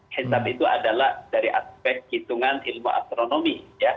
hisab itu adalah dari aspek hitungan ilmu astronomi